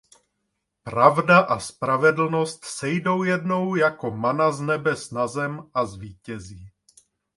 Pravda a spravedlnost sejdou jednou jako mana z nebes na zem a zvítězí.